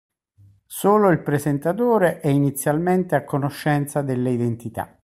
Solo il presentatore è inizialmente a conoscenza delle identità.